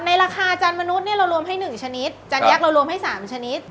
ในราคาจันมนุษย์เนี่ยเรารวมให้๑ชนิดจานยักษ์เรารวมให้๓ชนิด